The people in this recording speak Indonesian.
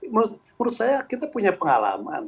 menurut saya kita punya pengalaman